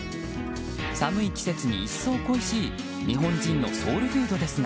寒い季節に一層恋しい日本人のソウルフードですが